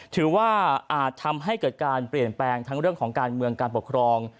อาจทำให้เกิดการเปลี่ยนแปลงทั้งเรื่องของการเมืองการปกครอง